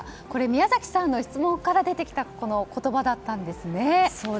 これは宮崎さんの質問から出てきた言葉だったんですね。